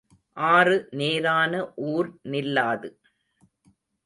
ஆறு நேரான ஊர் நில்லாது.